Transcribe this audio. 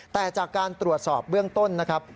แต่จากการตรวจสอบเบื้องต้นนะครับ